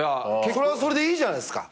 それはそれでいいじゃないっすか。